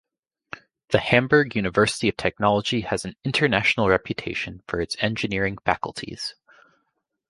The Hamburg University of Technology has an international reputation for its engineering faculties.